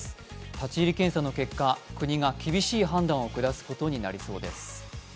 立ち入り検査の結果、国が厳しい判断を下すことになりそうです。